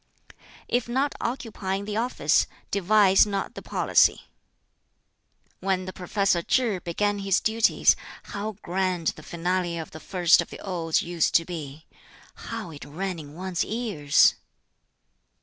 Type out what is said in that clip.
"If not occupying the office, devise not the policy. "When the professor Chi began his duties, how grand the finale of the First of the Odes used to be! How it rang in one's ears!